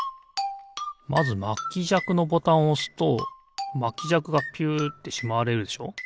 まずまきじゃくのボタンをおすとまきじゃくがピュッてしまわれるでしょ。